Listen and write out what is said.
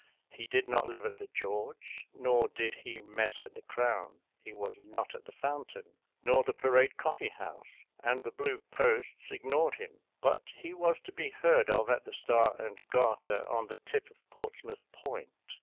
He did not live at the George, nor did he mess at the Crown; he was not at the Fountain, nor the Parade Coffee house; and the Blue Posts ignored him; but he was to be heard of at the Star and Garter, on the tip of Portsmouth Point.